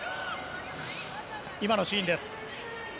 今のシーンです。